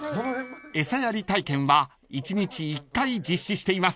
［餌やり体験は１日１回実施しています］